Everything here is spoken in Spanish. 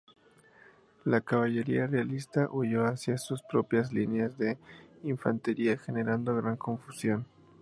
La caballería realista huyó hacia sus propias líneas de infantería, generando gran confusión.